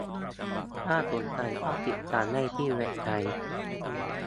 ถ้าสนใจก็ติดตามได้ที่เว็บไซต์